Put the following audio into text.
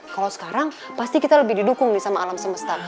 kalau sekarang pasti kita lebih didukung nih sama alam semesta